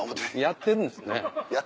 やってるんですね。